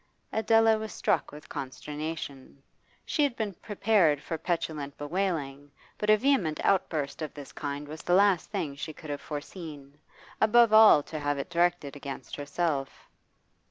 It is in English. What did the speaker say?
Adela was struck with consternation. She had been prepared for petulant bewailing, but a vehement outburst of this kind was the last thing she could have foreseen, above all to have it directed against herself.